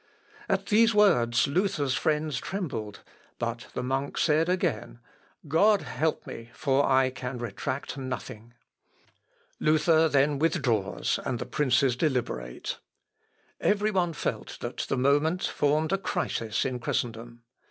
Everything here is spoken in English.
At these words, Luther's friends trembled, but the monk again said, "God help me; for I can retract nothing." L. Op. (W.) xv, 2286. Luther then withdraws, and the princes deliberate. Every one felt that the moment formed a crisis in Christendom.